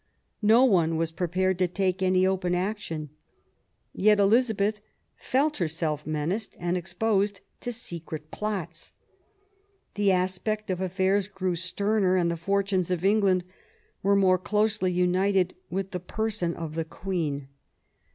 No one was prepared to take any open action. Yet Elizabeth felt herself menaced and exposed to secret plots. The aspect of affairs grew sterner, and the fortunes of England were more closely united with the person of its Queen.